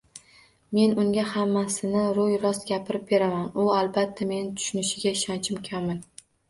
Men unga hammasini ro`y-rost gapirib beraman, u, albatta, meni tushunishiga ishonchim komil